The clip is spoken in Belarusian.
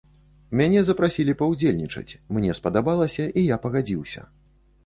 Мяне запрасілі паўдзельнічаць, мне спадабалася, і я пагадзіўся.